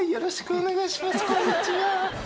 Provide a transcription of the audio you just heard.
こんにちは。